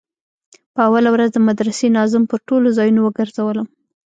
په اوله ورځ د مدرسې ناظم پر ټولو ځايونو وگرځولو.